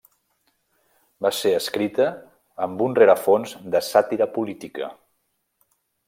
Va ser escrita amb un rerefons de sàtira política.